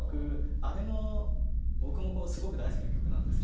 あれも僕もこうすごく大好きな曲なんですけど。